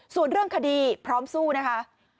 ส่วนเรื่องคดีพร้อมสู้นะคะ